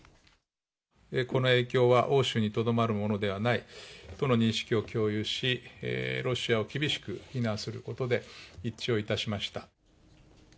この影響は、欧州にとどまるものではないとの認識を共有し、ロシアを厳しく非難することで一致をいたしました。